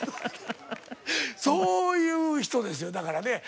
そういう人ですよだからね。